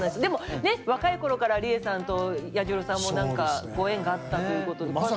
でもねっ若い頃からりえさんと彌十郎さんも何かご縁があったということで。